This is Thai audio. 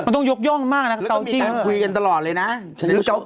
ต้องยกย่องมากเกาจิงคุยกันตลอดเลยนะ